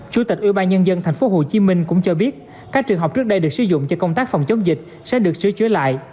chủ tịch ưu ba nhân dân tp hcm cũng cho biết các trường học trước đây được sử dụng cho công tác phòng chống dịch sẽ được sửa chữa lại